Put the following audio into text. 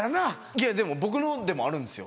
いやでも僕のでもあるんですよ。